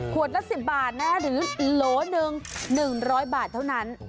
ขวดละ๑๐บาทหรือโหลนึง๑๐๐บาทเท่านั้น